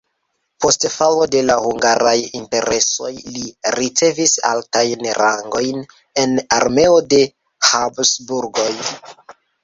Post falo de la hungaraj interesoj li ricevis altajn rangojn en armeo de Habsburgoj.